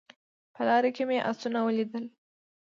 په لاره کې مې اسونه ولیدل